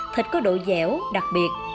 thịt có độ dẻo đặc biệt